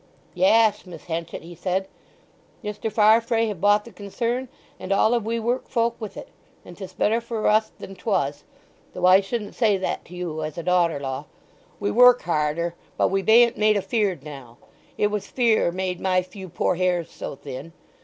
"Yaas, Miss Henchet," he said, "Mr. Farfrae have bought the concern and all of we work folk with it; and 'tis better for us than 'twas—though I shouldn't say that to you as a daughter law. We work harder, but we bain't made afeard now. It was fear made my few poor hairs so thin!